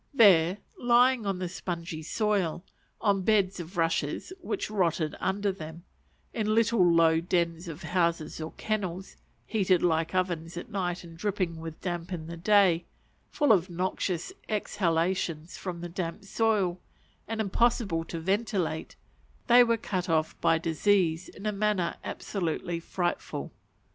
There, lying on the spongy soil, on beds of rushes which rotted under them in little low dens of houses, or kennels, heated like ovens at night and dripping with damp in the day full of noxious exhalations from the damp soil, and impossible to ventilate they were cut off by disease in a manner absolutely frightful.